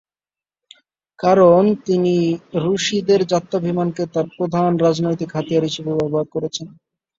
কারণ, তিনি রুশীদের জাত্যভিমানকে তাঁর প্রধান রাজনৈতিক হাতিয়ার হিসেবে ব্যবহার করছেন।